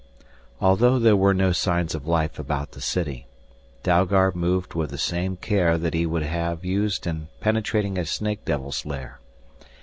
Although there were no signs of life about the city, Dalgard moved with the same care that he would have used in penetrating a snake devil's lair.